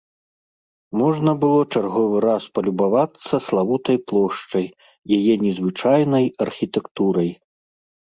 Можна было чарговы раз палюбавацца славутай плошчай, яе незвычайнай архітэктурай.